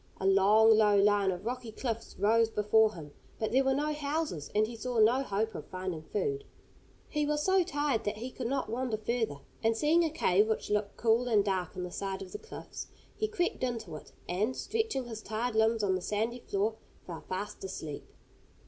A long, low line of rocky cliffs rose before him, but there were no houses, and he saw no hope of finding food. He was so tired that he could not wander further, and seeing a cave which looked cool and dark in the side of the cliffs, he crept into it, and, stretching his tired limbs on the sandy floor, fell fast asleep.